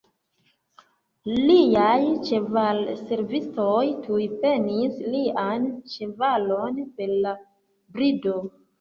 Liaj ĉevalservistoj tuj prenis lian ĉevalon per la brido.